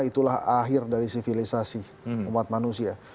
itulah akhir dari sivilisasi umat manusia